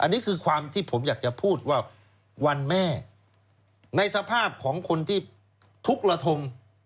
อันนี้คือความที่ผมอยากจะพูดว่าวันแม่ในสภาพของคนที่ทุกระทง